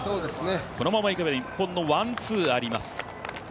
このままいけば日本のワン・ツーあります。